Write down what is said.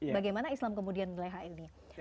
bagaimana islam kemudian melelah ilmiah